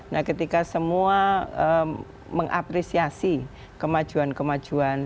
nah ketika semua mengapresiasi kemajuan kemajuan